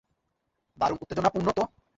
দারুণ উত্তেজনাপূর্ণ তো!